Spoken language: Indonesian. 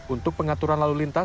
untuk pengaturan lalu lintas